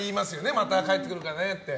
また帰ってくるからねって。